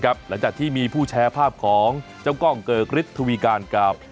หลังจากที่มีผู้แชร์ภาพของเจ้ากล้องเกอร์กริดทุวีการกับ